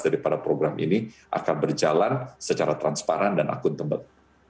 daripada program ini akan berjalan secara transparan dan akuntabel